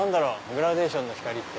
グラデーションのヒカリって。